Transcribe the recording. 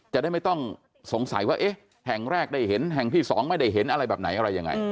จะได้ไม่ต้องสงสัยว่าเอ๊ะแห่งแรกได้เห็นแห่งที่๒ไม่ได้เห็นอะไรแบบไหนอะไรยังไง